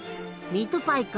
ミートパイか。